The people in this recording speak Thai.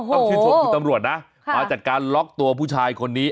ต้องชื่นชมคุณตำรวจนะมาจัดการล็อกตัวผู้ชายคนนี้